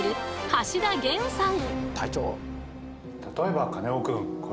橋田元さん！